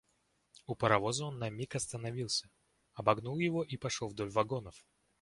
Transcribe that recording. У паровоза он на миг остановился, обогнул его и пошел вдоль вагонов.